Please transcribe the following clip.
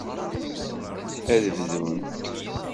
Ad bdunt.